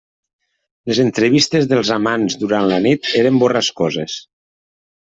Les entrevistes dels amants durant la nit eren borrascoses.